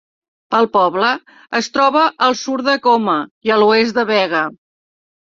El poble es troba al sud de Cooma i a l'oest de Bega.